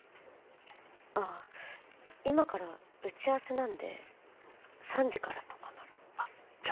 ああ今から打ち合わせなんで３時からとかならあじゃ